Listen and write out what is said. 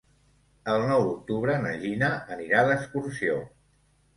El nou d'octubre na Gina anirà d'excursió.